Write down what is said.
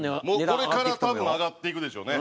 これから多分上がっていくでしょうね。